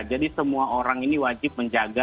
jadi semua orang ini wajib menjaga